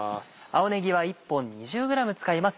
青ねぎは１本２０ｇ使います。